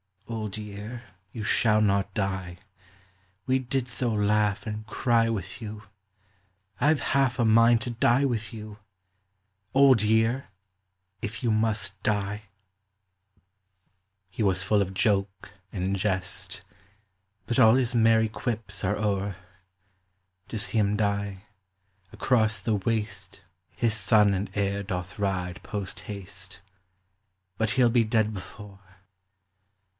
Old year, you shall not die ; We did so laugh and cry with you, I 've half a mind to die with } 7 ou, Old year, if you must die. TIME, 107 He was full of joke and jest, But all his merry quips are o'er. To see him die, across the waste His son and heir doth ride post haste, But he '11 be dead before.